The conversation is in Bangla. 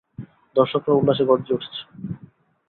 দর্শকরাও উল্লাসে গর্জে উঠছে!